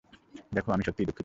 দেখ, আমি সত্যিই দুঃখিত!